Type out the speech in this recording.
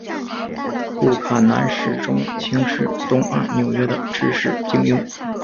布坎南始终轻视东岸纽约的知识菁英。